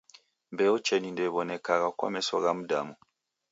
Mbeo cheni ndeiw'onekagha kwa meso gha mdamu.